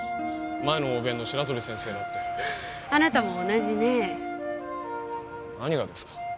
前のオーベンの白鳥先生だってあなたも同じね何がですか？